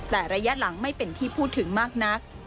แต่ระยะหลังไม่เป็นที่พูดถึงมากนัก